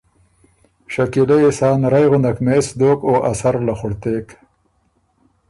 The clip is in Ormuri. شکیلۀ يې سا نرئ غُندک مېس دوک او ا سره له خُړتېک